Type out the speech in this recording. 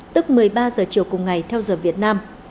tức một mươi ba giờ chiều cùng ngày theo giờ việt nam